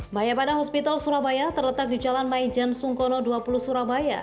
maya pada hospital surabaya terletak di jalan maijen sungkono dua puluh surabaya